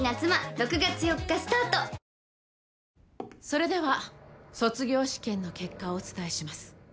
それでは卒業試験の結果をお伝えします。